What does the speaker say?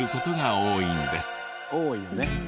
多いのね。